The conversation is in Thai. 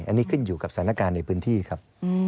อันนี้ขึ้นอยู่กับสถานการณ์ในพื้นที่ครับ